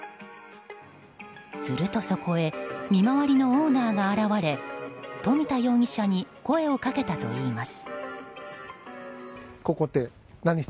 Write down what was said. すると、そこへ見回りのオーナーが現れ冨田容疑者に声をかけたといいます。